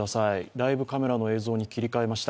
ライブカメラの映像に切り替えました。